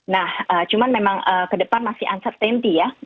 nah cuman memang kedepan masih uncertainty ya